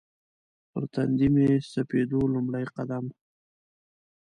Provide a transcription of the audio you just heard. پر تندي مې سپېدو لومړی قدم